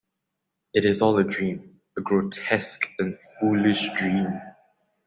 It is all a dream - a grotesque and foolish dream.